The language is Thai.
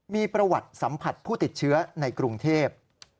มีประวัติสัมผัสผู้ติดเชื้อในกรุงเทพ